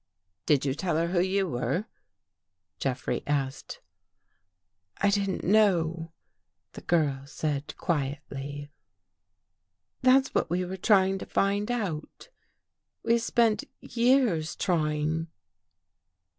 "Did you tell her who you were?" Jeffrey asked. " I didn't know," the girl said quietly. " That's what we were trying to find out. We spent years trying."